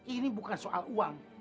ini bukan soal uang